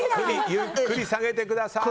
ゆっくり下げてください。